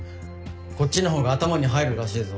こっちの方が頭に入るらしいぞ。